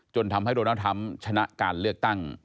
จนทำให้โดนัลดทรัมป์ชนะการเลือกตั้ง